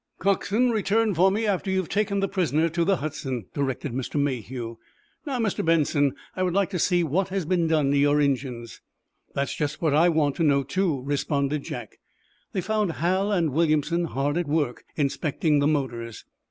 "Coxswain, return for me after you've taken the prisoner to the 'Hudson,'" directed Mr. Mayhew. "Now, Mr. Benson, I would like to see what has been done to your engines." "That's just what I want to know, too," responded Jack. They found Hal and Williamson hard at work, inspecting the motors.